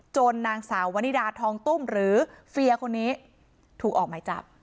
นางสาววนิดาทองตุ้มหรือเฟียร์คนนี้ถูกออกหมายจับ